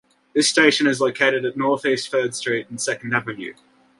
This station is located at Northeast Third Street and Second Avenue.